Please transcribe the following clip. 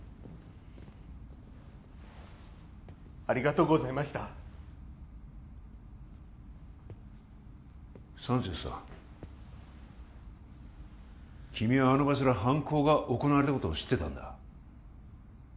ありがとうございましたサンチェスさん君はあの場所で犯行が行われたことを知ってたんだ